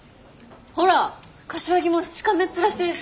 ほら柏木もしかめっ面してるし。